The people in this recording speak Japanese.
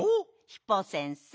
ヒポ先生。